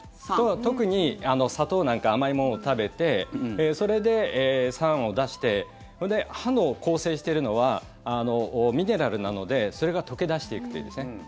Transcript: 特に砂糖なんか甘いものを食べてそれで酸を出して歯を構成しているのはミネラルなのでそれが溶け出していくというですね。